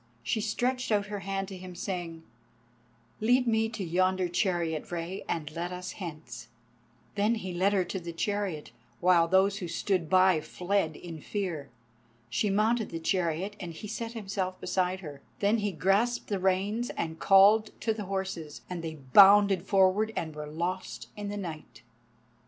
She stretched out her hand to him, saying: "Lead me to yonder chariot, Rei, and let us hence." Then he led her to the chariot, while those who stood by fled in fear. She mounted the chariot, and he set himself beside her. Then he grasped the reins and called to the horses, and they bounded forward and were lost in the night.